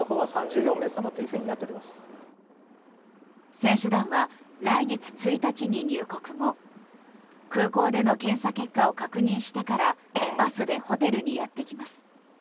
選手団は、来月１日に入国後空港での検査結果を確認してからバスでホテルにやってきます。